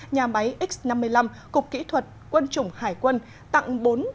nhà máy x năm mươi năm cục kỹ thuật quân chủng hải quân tặng bốn